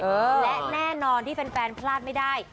และแน่นอนที่แฟนพลาดไม่ได้